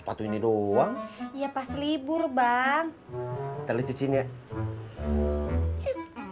sepatu ini doang ya pas libur bang telur cucinya asin